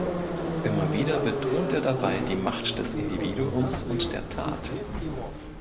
Immer wieder betont er dabei die Macht des Individuums und der „Tat“.